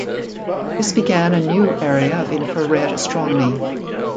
This began a new area of infrared astronomy.